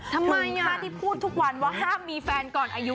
ถึงถ้าที่พูดทุกวันว่าห้ามมีแฟนก่อนอายุ๒๐